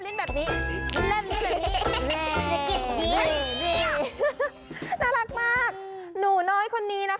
จุ่ม